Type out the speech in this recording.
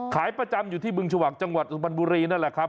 ขายประจำอยู่ที่เบื้องชาวักจังหวัดอุทัยธานีนั่นแหละครับ